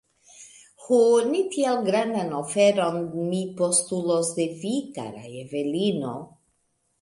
Ho, ne tiel grandan oferon mi postulos de vi, kara Evelino!